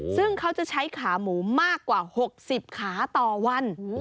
ซึ่งเขาจะใช้ขาหมูมากกว่า๖๐ขาต่อวัน